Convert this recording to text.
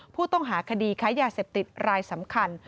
ผู้ต้องหาคดีค้ายาเสพติดรายสำคัญ